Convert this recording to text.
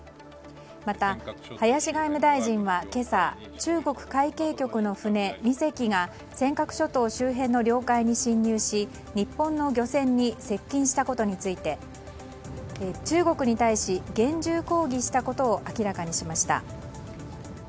また林外務大臣は今朝中国海警局の船２隻が尖閣諸島周辺の領海に侵入し、日本の漁船に接近したことについて中国に対し厳重抗議したことを明らかにしました。